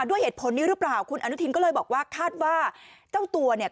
ด้วยเหตุผลนี้หรือเปล่าคุณอนุทินก็เลยบอกว่าคาดว่าเจ้าตัวเนี่ย